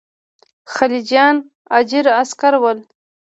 خلجیان اجیر عسکر ول.